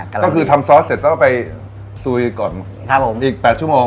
ก็คือทำซอสเสร็จแล้วก็ไปซูวีก่อนอีก๘ชั่วโมง